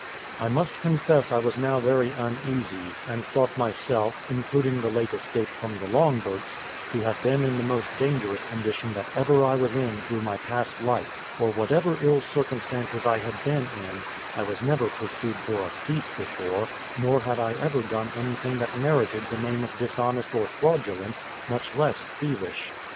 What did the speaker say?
I must confess I was now very uneasy, and thought myself, including the late escape from the longboats, to have been in the most dangerous condition that ever I was in through my past life; for whatever ill circumstances I had been in, I was never pursued for a thief before; nor had I ever done anything that merited the name of dishonest or fraudulent, much less thievish.